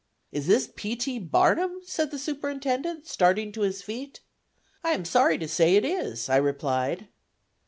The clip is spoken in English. "Is this P. T. Barnum?" said the superintendent, starting to his feet. "I am sorry to say it is," I replied.